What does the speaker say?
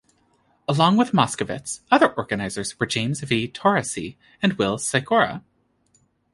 Along with Moskowitz, other organizers were James V. Taurasi and Will Sykora.